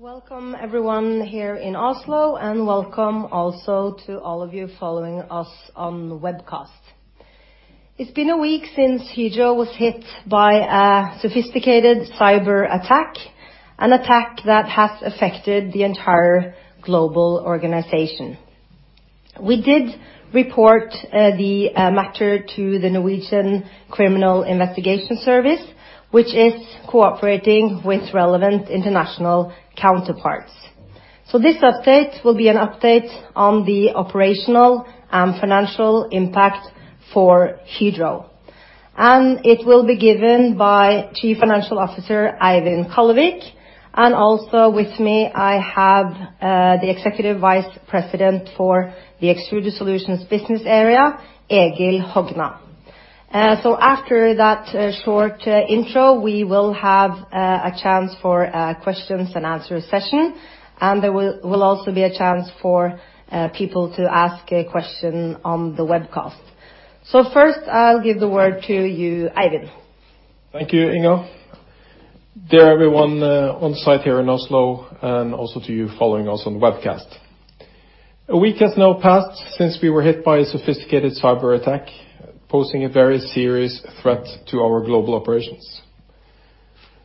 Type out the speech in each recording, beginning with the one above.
Welcome everyone here in Oslo, and welcome also to all of you following us on the webcast. It's been a week since Hydro was hit by a sophisticated cyber attack, an attack that has affected the entire global organization. We did report the matter to the National Criminal Investigation Service, which is cooperating with relevant international counterparts. This update will be an update on the operational and financial impact for Hydro. It will be given by Chief Financial Officer Eivind Kallevik, and also with me, I have the Executive Vice President for the Extruded Solutions business area, Egil Hogna. After that, short intro, we will have a chance for a questions and answer session, and there will also be a chance for people to ask a question on the webcast. First, I'll give the word to you, Eivind. Thank you, Inga. Dear everyone, on site here in Oslo, and also to you following us on the webcast. A week has now passed since we were hit by a sophisticated cyber attack, posing a very serious threat to our global operations.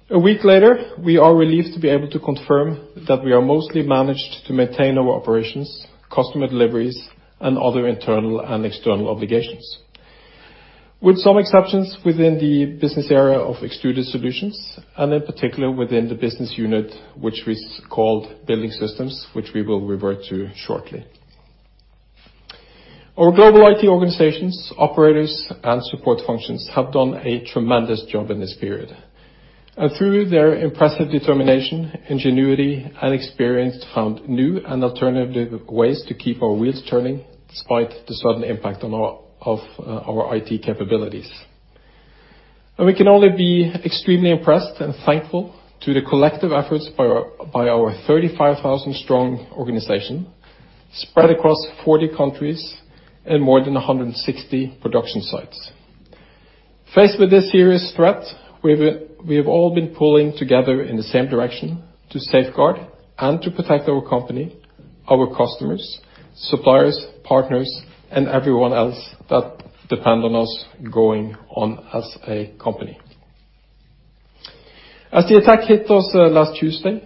A week later, we are relieved to be able to confirm that we are mostly managed to maintain our operations, customer deliveries, and other internal and external obligations. With some exceptions within the business area of Extruded Solutions, and in particular within the business unit, which is called Building Systems, which we will revert to shortly. Our global IT organizations, operators, and support functions have done a tremendous job in this period. Through their impressive determination, ingenuity, and experience, found new and alternative ways to keep our wheels turning despite the sudden impact of our IT capabilities. We can only be extremely impressed and thankful to the collective efforts by our 35,000 strong organization, spread across 40 countries and more than 160 production sites. Faced with this serious threat, we have all been pulling together in the same direction to safeguard and to protect our company, our customers, suppliers, partners, and everyone else that depend on us going on as a company. As the attack hit us last Tuesday,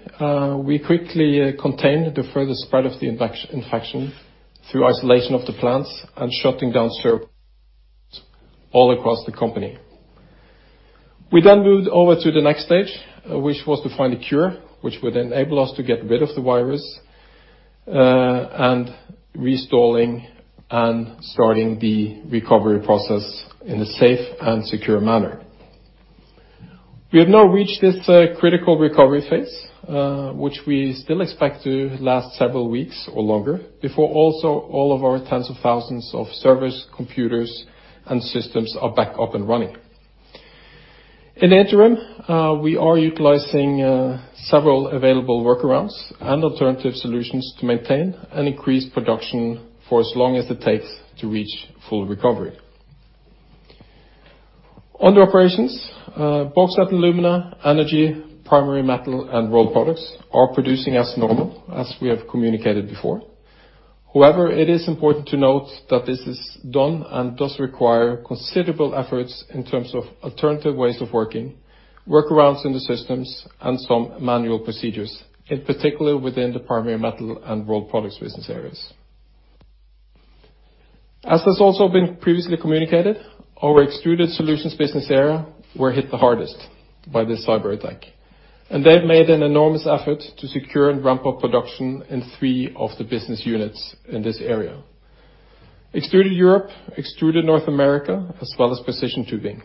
we quickly contained the further spread of the infection through isolation of the plants and shutting down servers all across the company. We then moved over to the next stage, which was to find a cure, which would enable us to get rid of the virus and reinstalling and starting the recovery process in a safe and secure manner. We have now reached this critical recovery phase, which we still expect to last several weeks or longer before also all of our tens of thousands of servers, computers, and systems are back up and running. In the interim, we are utilizing several available workarounds and alternative solutions to maintain and increase production for as long as it takes to reach full recovery. On the operations, Bauxite & Alumina, Energy, Primary Metal, and Rolled Products are producing as normal, as we have communicated before. However, it is important to note that this is done and does require considerable efforts in terms of alternative ways of working, workarounds in the systems, and some manual procedures, in particular within the Primary Metal and Rolled Products business areas. As has also been previously communicated, our Extruded Solutions business area were hit the hardest by this cyber attack. They've made an enormous effort to secure and ramp up production in three of the business units in this area. Extruded Europe, Extruded North America, as well as Precision Tubing.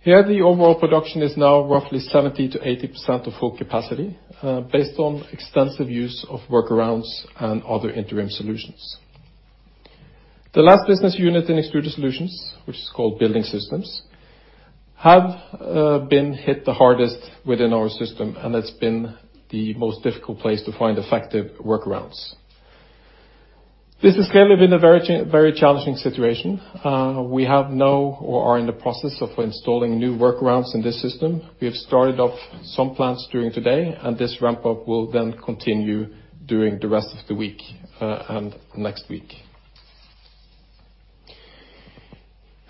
Here, the overall production is now roughly 70% to 80% of full capacity, based on extensive use of workarounds and other interim solutions. The last business unit in Extruded Solutions, which is called Building Systems, have been hit the hardest within our system, and it's been the most difficult place to find effective workarounds. This has clearly been a very challenging situation. We have now or are in the process of installing new workarounds in this system. We have started up some plants during today. This ramp-up will continue during the rest of the week and next week.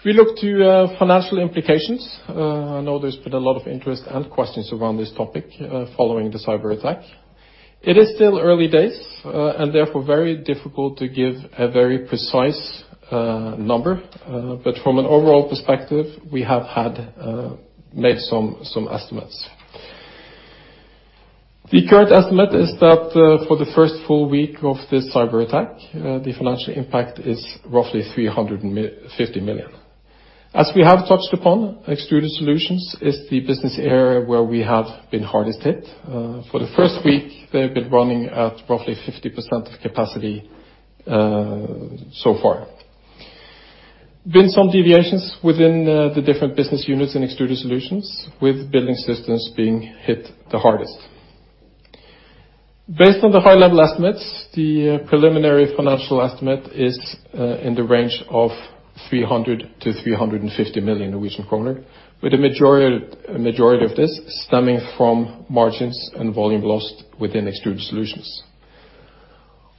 If we look to financial implications, I know there's been a lot of interest and questions around this topic following the cyber attack. It is still early days, therefore very difficult to give a very precise number. From an overall perspective, we have made some estimates. The current estimate is that for the first full week of this cyber attack, the financial impact is roughly 350 million. As we have touched upon, Extruded Solutions is the business area where we have been hardest hit. For the first week, they've been running at roughly 50% of capacity so far. Been some deviations within the different business units in Extruded Solutions with Building Systems being hit the hardest. Based on the high level estimates, the preliminary financial estimate is in the range of 300 million-350 million Norwegian kroner, with the majority of this stemming from margins and volume lost within Extruded Solutions.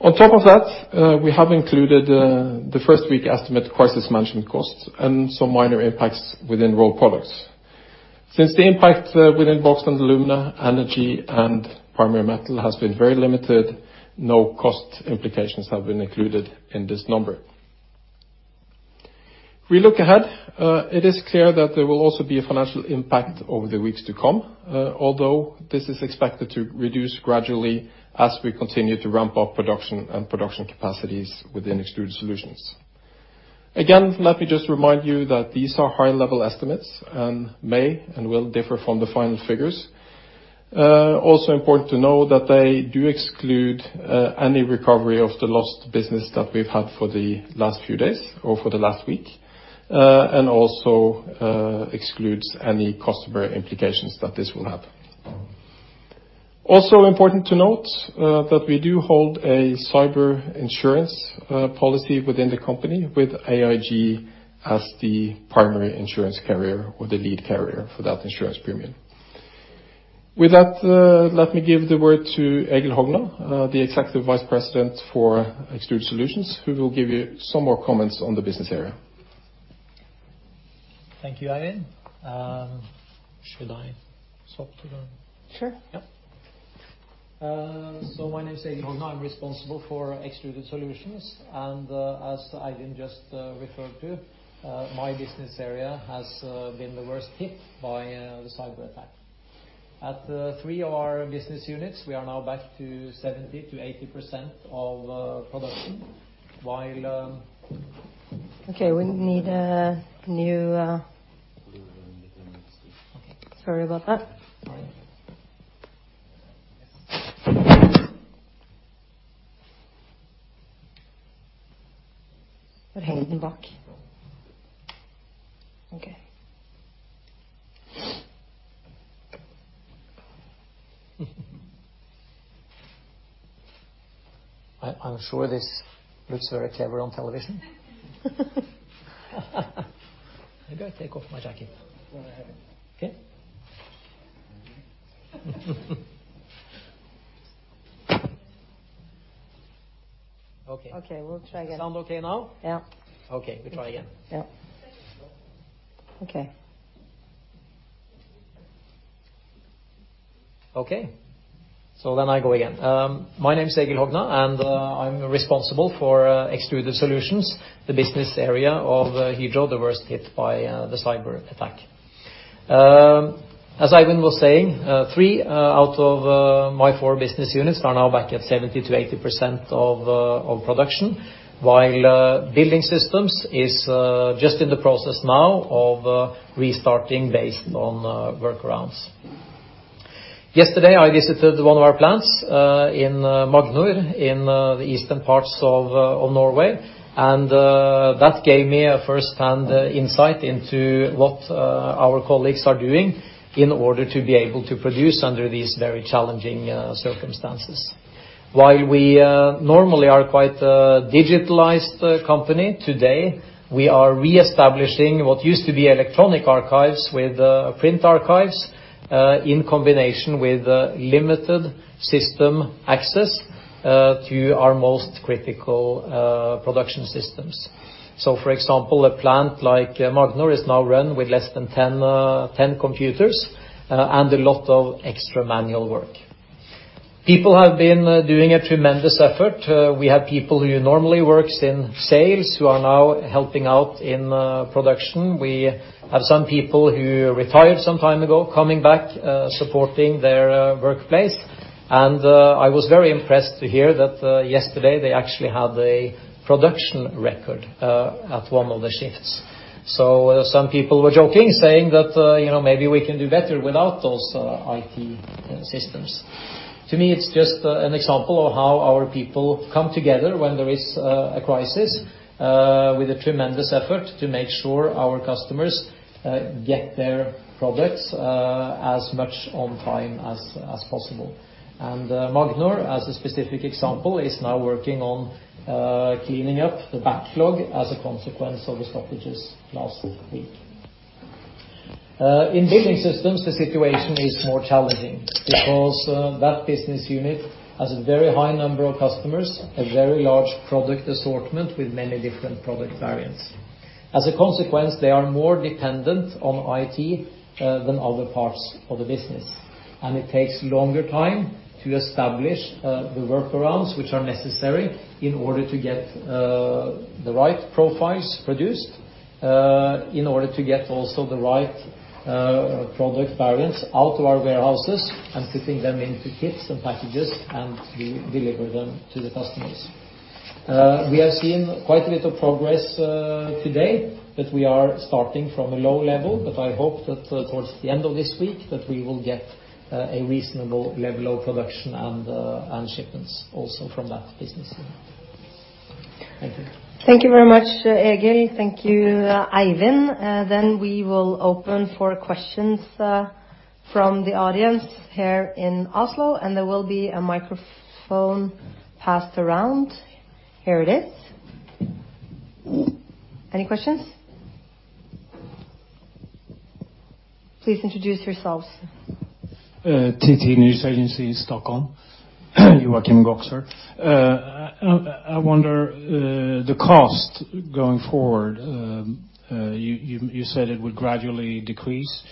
On top of that, we have included the first week estimate crisis management costs and some minor impacts within Rolled Products. Since the impact within Bauxite & Alumina, Energy, and Primary Metal has been very limited, no cost implications have been included in this number. If we look ahead, it is clear that there will also be a financial impact over the weeks to come, although this is expected to reduce gradually as we continue to ramp up production and production capacities within Extruded Solutions. Again, let me just remind you that these are high-level estimates and may and will differ from the final figures. Also important to know that they do exclude any recovery of the lost business that we've had for the last few days or for the last week, and also excludes any customer implications that this will have. Also important to note that we do hold a cyber insurance policy within the company with AIG as the primary insurance carrier or the lead carrier for that insurance premium. With that, let me give the word to Egil Hogna, the executive vice president for Extruded Solutions, who will give you some more comments on the business area. Thank you, Eivind. Should I swap to the- Sure. My name is Egil Hogna. I'm responsible for Extruded Solutions. As Eivind just referred to, my business area has been the worst hit by the cyberattack. At three of our business units, we are now back to 70% to 80% of production. While. Okay, we need a new... We need a new system. Okay. Sorry about that. No. Okay. I'm sure this looks very clever on television. I gotta take off my jacket. Go ahead. Okay. Okay. Okay, we'll try again. Sound okay now? Yeah. Okay. We try again. Yeah. Okay. Okay. I go again. My name's Egil Hogna. I'm responsible for Extruded Solutions, the business area of Hydro the worst hit by the cyberattack. As Eivind was saying, 3 out of my 4 business units are now back at 70% to 80% of production, while Building Systems is just in the process now of restarting based on workarounds. Yesterday, I visited one of our plants in Magnor in the eastern parts of Norway. That gave me a firsthand insight into what our colleagues are doing in order to be able to produce under these very challenging circumstances. While we normally are quite a digitalized company, today we are reestablishing what used to be electronic archives with print archives in combination with limited system access to our most critical production systems. For example, a plant like Magnor is now run with less than 10 computers and a lot of extra manual work. People have been doing a tremendous effort. We have people who normally works in sales who are now helping out in production. We have some people who retired some time ago coming back supporting their workplace. I was very impressed to hear that yesterday they actually had a production record at one of the shifts. Some people were joking, saying that, you know, maybe we can do better without those IT systems. To me, it's just an example of how our people come together when there is a crisis, with a tremendous effort to make sure our customers get their products as much on time as possible. Magnor, as a specific example, is now working on cleaning up the backlog as a consequence of the stoppages last week. In Building Systems, the situation is more challenging because that business unit has a very high number of customers, a very large product assortment with many different product variants. As a consequence, they are more dependent on IT than other parts of the business. It takes longer time to establish the workarounds which are necessary in order to get the right profiles produced, in order to get also the right product variants out of our warehouses and putting them into kits and packages, and we deliver them to the customers. We have seen quite a bit of progress today, but we are starting from a low level. I hope that towards the end of this week, that we will get a reasonable level of production and shipments also from that business unit. Thank you very much, Egil. Thank you, Eivind. We will open for questions, from the audience here in Oslo, and there will be a microphone passed around. Here it is. Any questions? Please introduce yourselves. TT News Agency, Stockholm. Joakim Goksör. I wonder, the cost going forward, you said it would gradually decrease.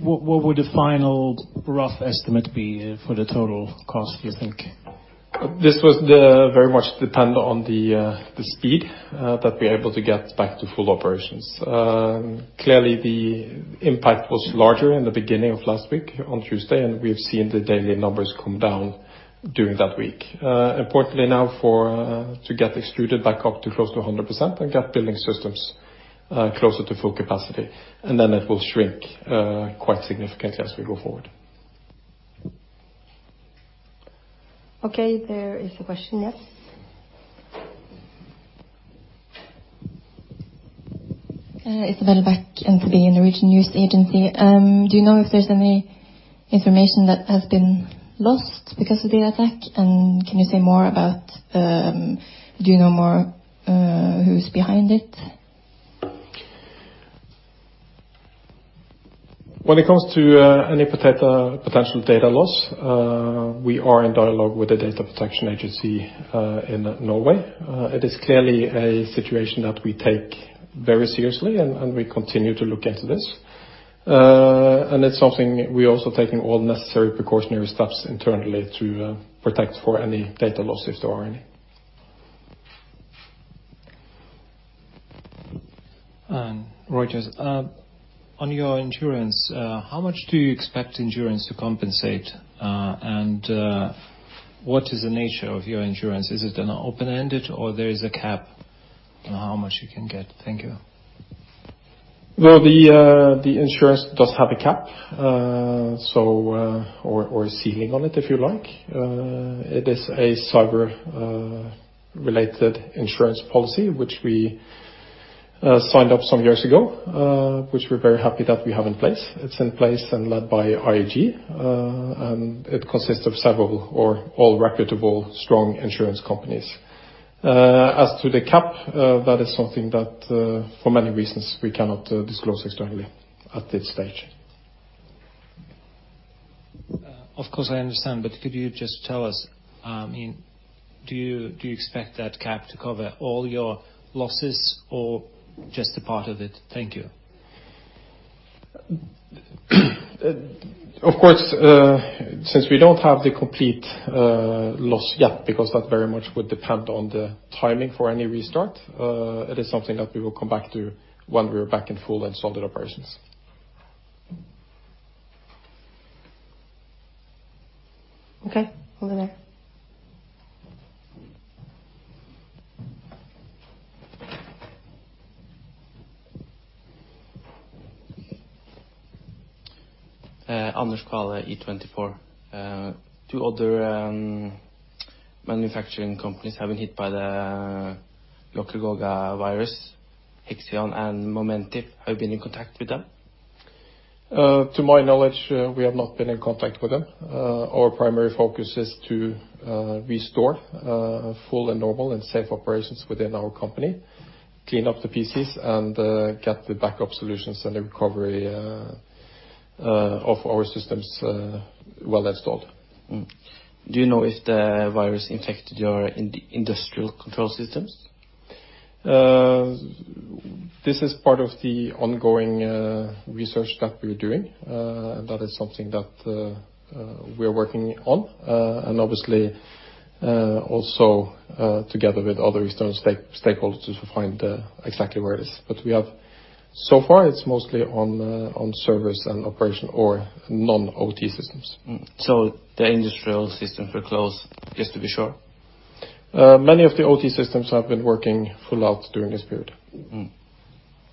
What would the final rough estimate be for the total cost, do you think? This would very much depend on the speed that we're able to get back to full operations. Clearly the impact was larger in the beginning of last week, on Tuesday, and we have seen the daily numbers come down during that week. Importantly now for to get extruded back up to close to 100% and get Building Systems closer to full capacity, and then it will shrink quite significantly as we go forward. Okay, there is a question, yes. Isabelle Bach, NTB, Norwegian News Agency. Do you know if there's any information that has been lost because of data attack? Can you say more about, do you know more, who's behind it? When it comes to any potential data loss, we are in dialogue with the Norwegian Data Protection Authority in Norway. It is clearly a situation that we take very seriously, and we continue to look into this. It's something we're also taking all necessary precautionary steps internally to protect for any data loss, if there are any. Reuters. On your insurance, how much do you expect insurance to compensate? What is the nature of your insurance? Is it an open-ended or there is a cap on how much you can get? Thank you. The insurance does have a cap, or a ceiling on it, if you like. It is a cyber related insurance policy, which we signed up some years ago, which we're very happy that we have in place. It's in place and led by AIG, and it consists of several or all reputable strong insurance companies. As to the cap, that is something that for many reasons we cannot disclose externally at this stage. Of course, I understand. Could you just tell us, do you expect that cap to cover all your losses or just a part of it? Thank you. Of course, since we don't have the complete loss yet, because that very much would depend on the timing for any restart, it is something that we will come back to when we are back in full and solid operations. Okay. Over there. Anders Kvale, E24. 2 other manufacturing companies have been hit by the LockBit virus, Hexion and Momentive. Have you been in contact with them? To my knowledge, we have not been in contact with them. Our primary focus is to restore full and normal and safe operations within our company, clean up the PCs and get the backup solutions and the recovery of our systems well installed. Do you know if the virus infected your industrial control systems? This is part of the ongoing research that we're doing. That is something that we are working on. Obviously, also, together with other external stakeholders to find exactly where it is. So far it's mostly on servers and operation or non-OT systems. The industrial systems were closed, just to be sure? Many of the OT systems have been working full out during this period.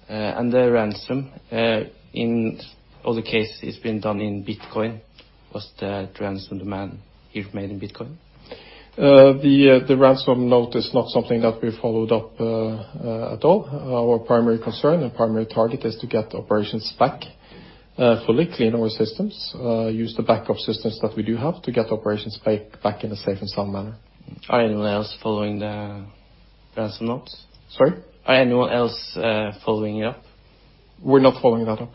The ransom, in all the cases it's been done in Bitcoin. Was the ransom demand here made in Bitcoin? The ransom note is not something that we followed up at all. Our primary concern and primary target is to get operations back fully, clean our systems, use the backup systems that we do have to get operations back in a safe and sound manner. Are anyone else following the ransom notes? Sorry? Are anyone else following it up? We're not following that up.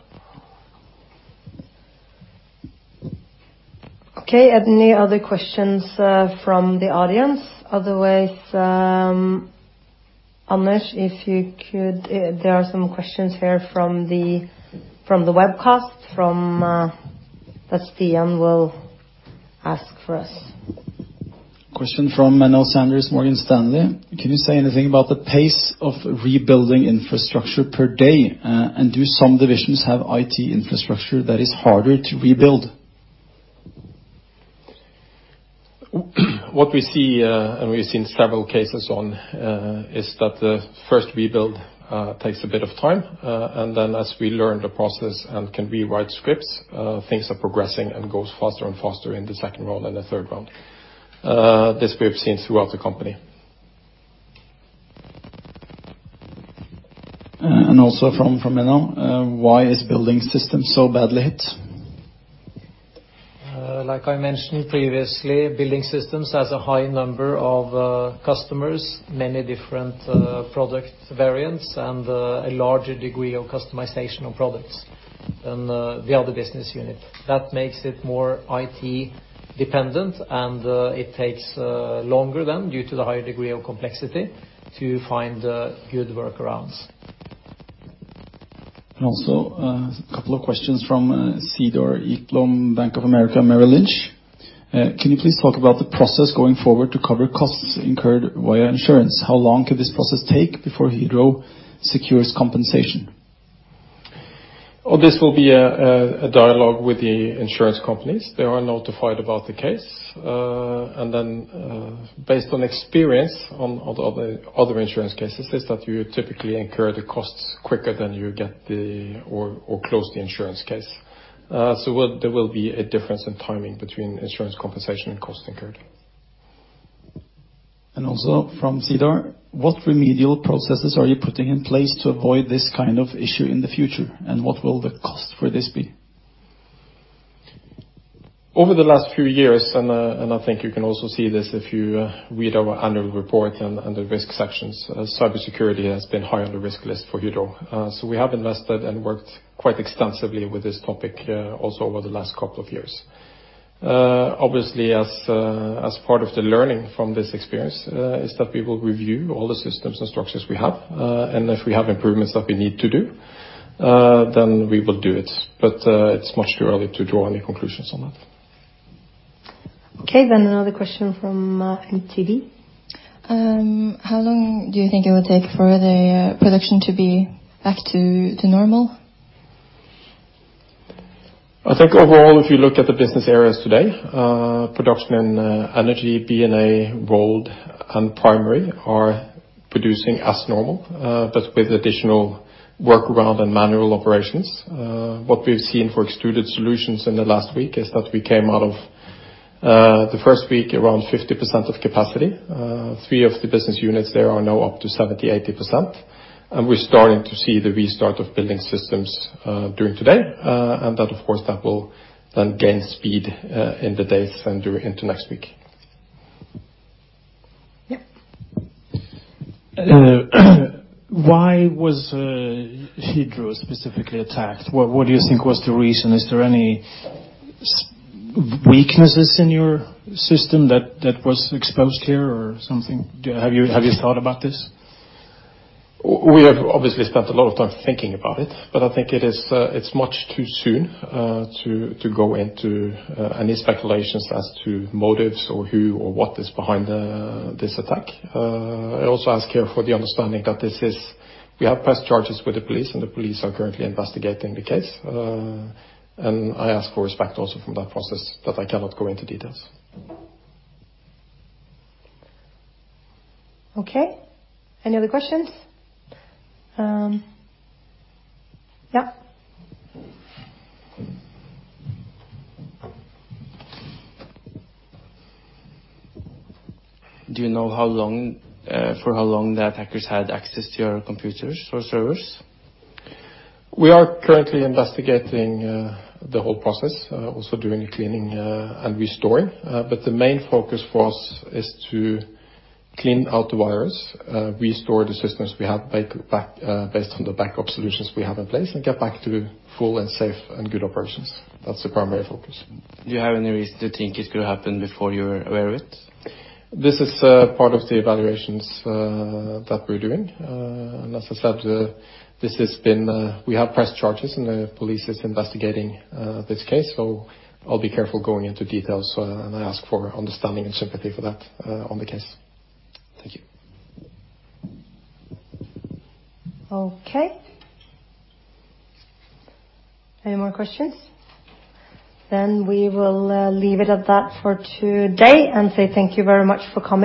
Any other questions from the audience? Otherwise, Anders, if you could... there are some questions here from the webcast from that Diane will ask for us. Question from Aline Gabriel, Morgan Stanley. Can you say anything about the pace of rebuilding infrastructure per day? Do some divisions have IT infrastructure that is harder to rebuild? What we see, and we've seen several cases on, is that the first rebuild takes a bit of time. Then as we learn the process and can rewrite scripts, things are progressing and goes faster and faster in the second round and the third round. This we have seen throughout the company. Also from Mino, why is Building Systems so badly hit? Like I mentioned previously, Building Systems has a high number of customers, many different product variants, and a larger degree of customization of products than the other business unit. That makes it more IT dependent, and it takes longer then, due to the higher degree of complexity, to find good workarounds. Couple of questions from Cedar Ekblom, Bank of America Merrill Lynch. Can you please talk about the process going forward to cover costs incurred via insurance? How long could this process take before Hydro secures compensation? This will be a dialogue with the insurance companies. They are notified about the case. Based on experience on other insurance cases, is that you typically incur the costs quicker than you get the or close the insurance case. There will be a difference in timing between insurance compensation and cost incurred. Also from Cedar, what remedial processes are you putting in place to avoid this kind of issue in the future, and what will the cost for this be? Over the last few years, I think you can also see this if you read our annual report under risk sections, cybersecurity has been high on the risk list for Hydro. We have invested and worked quite extensively with this topic, also over the last couple of years. Obviously, as part of the learning from this experience, is that we will review all the systems and structures we have, and if we have improvements that we need to do, we will do it. It's much too early to draw any conclusions on that. Okay, another question from NTB. How long do you think it will take for the production to be back to normal? I think overall, if you look at the business areas today, production in Energy, B&A, Rolled, and Primary are producing as normal, but with additional workaround and manual operations. What we've seen for Extruded Solutions in the last week is that we came out of the first week around 50% of capacity. Three of the business units there are now up to 70%, 80%. We're starting to see the restart of Building Systems during today. That, of course, that will then gain speed in the days and during into next week. Yeah. Why was Hydro specifically attacked? What do you think was the reason? Is there any weaknesses in your system that was exposed here or something? Have you thought about this? We have obviously spent a lot of time thinking about it, but I think it is, it's much too soon to go into any speculations as to motives or who or what is behind this attack. I also ask here for the understanding that this is. We have pressed charges with the police, and the police are currently investigating the case. I ask for respect also from that process, but I cannot go into details. Okay. Any other questions? Yeah. Do you know how long, for how long the attackers had access to your computers or servers? We are currently investigating, the whole process, also doing a cleaning, and restoring. The main focus for us is to clean out the virus, restore the systems we have back, based on the backup solutions we have in place, and get back to full and safe and good operations. That's the primary focus. Do you have any reason to think it could happen before you were aware of it? This is part of the evaluations that we're doing. As I said, this has been, we have pressed charges, and the police is investigating this case. I'll be careful going into details, and I ask for understanding and sympathy for that on the case. Thank you. Okay. Any more questions? We will leave it at that for today, say thank you very much for coming.